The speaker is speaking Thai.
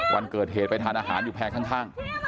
วันเกิดเหตุไปทานอาหารอยู่แพร่ข้าง